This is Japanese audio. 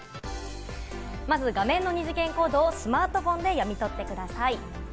まず画面の二次元コードをスマホで読み取ってください。